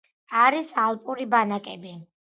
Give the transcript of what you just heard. არის ალპური ბანაკები.